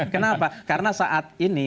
kenapa karena saat ini